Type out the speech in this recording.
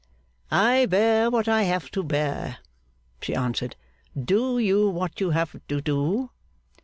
'I bear what I have to bear,' she answered. 'Do you what you have to do.